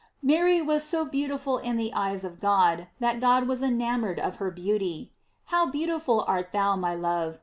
Mary was so beautiful in the eyes of God, that God was enamored of her beauty. How beauti ful art thou, my love!